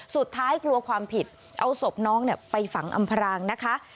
สุดท้ายกลัวความผิดเอาศพน้องไปฝังอำพรางนะคะ